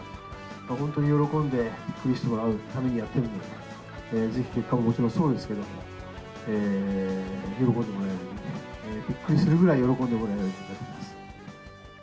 本当に喜んでびっくりしてもらうためにやってるんで、ぜひ結果ももちろんそうですけど、喜んでもらえるように、びっくりするぐらい喜んでもらえると思います。